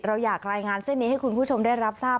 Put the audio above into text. เราอยากรายงานเส้นนี้ให้คุณผู้ชมได้รับทราบ